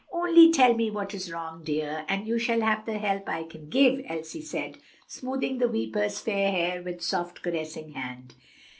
"Only tell me what is wrong, dear, and you shall have all the help I can give," Elsie said, smoothing the weeper's fair hair with soft, caressing hand.